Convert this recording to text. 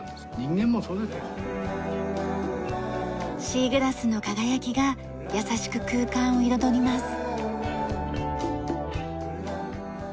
シーグラスの輝きが優しく空間を彩ります。